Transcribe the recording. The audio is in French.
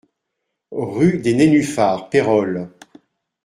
Rue des Nénuphars, Pérols